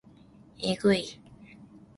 えぐい